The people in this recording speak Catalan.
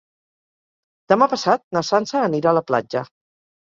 Demà passat na Sança anirà a la platja.